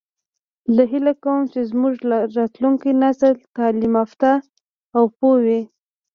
زه هیله کوم چې زموږ راتلونکی نسل تعلیم یافته او پوه وي